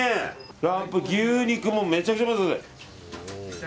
ランプ、牛肉もめっちゃ売っています。